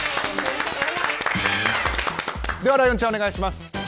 ライオンちゃん、お願いします。